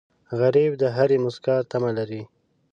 غریب د هرې موسکا تمه لري